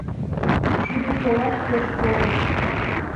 Шудо солаш пеш кодын.